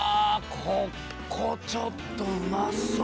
ここちょっとうまそう